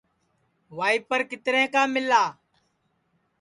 وائیپر کِترے کا مِلا